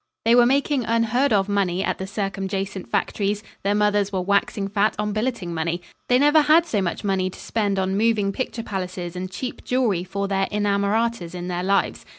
They were making unheard of money at the circumjacent factories; their mothers were waxing fat on billeting money. They never had so much money to spend on moving picture palaces and cheap jewellery for their inamoratas in their lives.